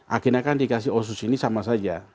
akhirnya dikasih otsus ini sama saja